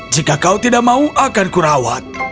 jika kau tidak mau akan kurawat